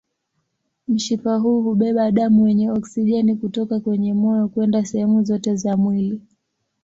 Mshipa huu hubeba damu yenye oksijeni kutoka kwenye moyo kwenda sehemu zote za mwili.